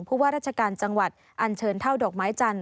ว่าราชการจังหวัดอันเชิญเท่าดอกไม้จันท